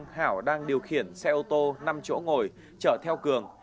phạm hoàn hảo đang điều khiển xe ô tô năm chỗ ngồi chở theo cường